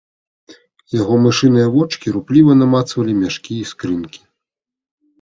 Яго мышыныя вочкі рупліва намацвалі мяшкі і скрынкі.